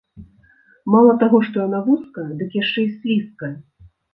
Мала таго што яна вузкая, дык яшчэ і слізкая.